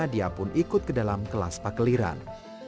dia pun ikut ke dalam kelas pakeliran